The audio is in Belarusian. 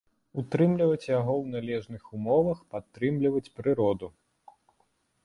Утрымліваць яго ў належных умовах, падтрымліваць прыроду.